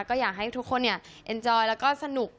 ก็อยากให้ทุกคนเอ็นจอยแล้วก็สนุก